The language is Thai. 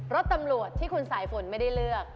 รถตำรวจที่คุณสายฝนไม่ได้เลือก